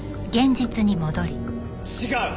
違う！